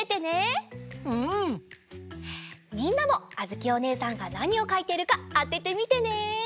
みんなもあづきおねえさんがなにをかいているかあててみてね！